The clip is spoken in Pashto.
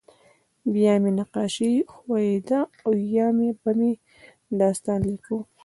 بیا به مې نقاشي خوښېده او یا به مې داستان لیکه